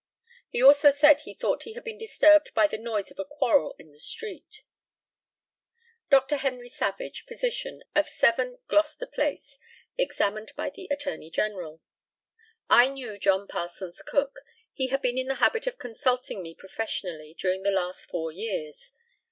He also said that he thought he had been disturbed by the noise of a quarrel in the street. Dr. HENRY SAVAGE, physician, of 7, Gloucester place, examined by the ATTORNEY GENERAL: I knew John Parsons Cook. He had been in the habit of consulting me professionally during the last four years.